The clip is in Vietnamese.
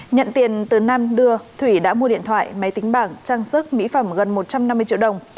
nhận tiền từ nam đưa thủy đã mua điện thoại máy tính bảng trang sức mỹ phẩm gần một trăm năm mươi triệu đồng